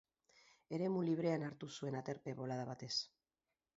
Eremu librean hartu zuten aterpe bolada batez.